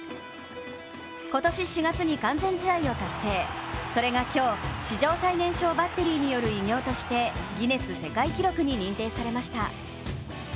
今年４月に完全試合を達成、それが今日、史上最年少バッテリーによる偉業としてギネス世界記録に認定されました。